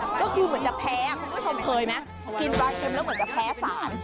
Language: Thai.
ก็คือเหมือนจะแพ้อ่ะเค้าก็ชมเคยมั้ยกินปลาเข็มแล้วเหมือนจะแพ้สาร